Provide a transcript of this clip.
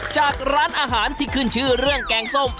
จากร้านอาหารที่ขึ้นชื่อเรื่องเอ็กเตี๊ยว